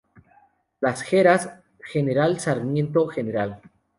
Las Heras, Gral Sarmiento, Gral.